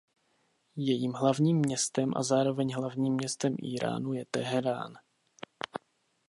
Jejím hlavním městem a zároveň hlavním městem Íránu je Teherán.